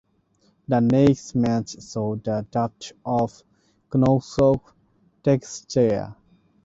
The next match saw the debut of Konosuke Takeshita.